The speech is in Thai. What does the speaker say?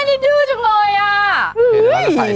ห่อนครูเค้าบอกว่าห้ามไปคน